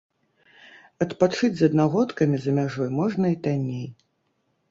Адпачыць з аднагодкамі за мяжой можна і танней.